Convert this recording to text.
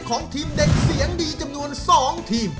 ของทีมเด็กเสียงดีจำนวน๒ทีม